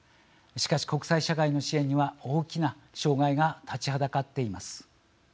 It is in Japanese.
しかし、国際社会の支援には大きな障害が立ちはだかっています。